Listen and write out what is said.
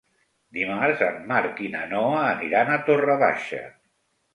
Dimarts en Marc i na Noa aniran a Torre Baixa.